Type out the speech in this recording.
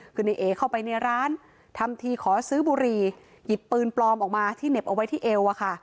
คือในเอเข้าไปในร้านทำทีขอซื้อบุหรี่หยิบปืนปลอมออกมาที่เหน็บเอาไว้ที่เอวอะค่ะ